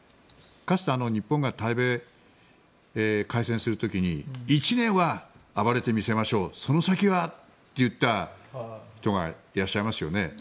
かつて日本が対米、開戦する時に１年は暴れてみせましょうその先はと言った人がいらっしゃいますよね。